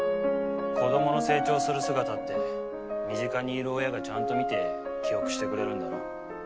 子供の成長する姿って身近にいる親がちゃんと見て記憶してくれるんだろ？